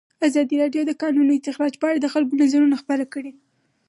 ازادي راډیو د د کانونو استخراج په اړه د خلکو نظرونه خپاره کړي.